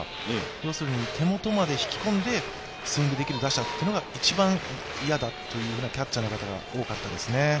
要するに手元まで引き込んで、スイングできる打者というのが一番嫌だというキャッチャーの方が多かったですね。